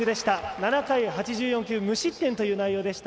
７回８４球無失点という内容でした。